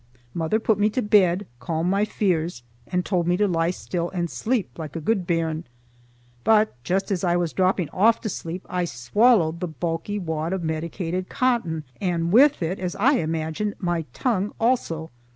Mother put me to bed, calmed my fears, and told me to lie still and sleep like a gude bairn. But just as I was dropping off to sleep I swallowed the bulky wad of medicated cotton and with it, as I imagined, my tongue also.